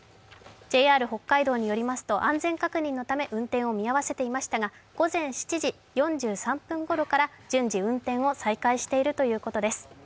ＪＲ北海道によりますと安全確認のため運転を見合わせていましたが午前７時４３分ごろから順次運転を再開しているということです。